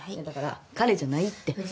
だから彼じゃないって。